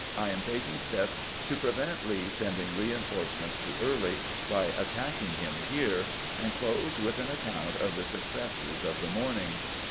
I am taking steps to prevent Lee sending reinforcements to Early, by attack ing him here "; and closed with an account of the suc cesses of the morning.